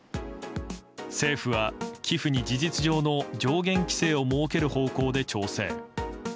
政府は寄付に事実上の上限規制を設ける方向で調整。